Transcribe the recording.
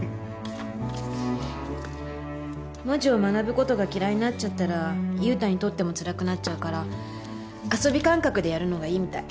文字を学ぶ事が嫌いになっちゃったら優太にとってもつらくなっちゃうから遊び感覚でやるのがいいみたい。